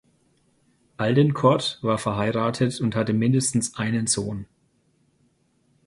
Aldenkortt war verheiratet und hatte mindestens einen Sohn.